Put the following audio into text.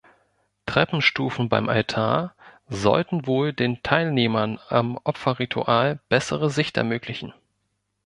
Treppenstufen beim Altar sollten wohl den Teilnehmern am Opferritual bessere Sicht ermöglichen.